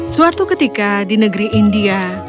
suatu ketika di negeri india